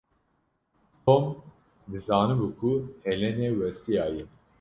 Tom dizanibû ku Helenê westiyaye.